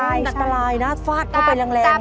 อันตรายนะฟาดเข้าไปร่างอะ